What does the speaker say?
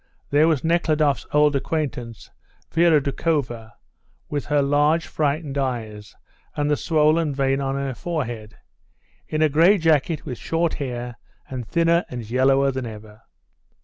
There was Nekhludoff's old acquaintance, Vera Doukhova, with her large, frightened eyes, and the swollen vein on her forehead, in a grey jacket with short hair, and thinner and yellower than ever..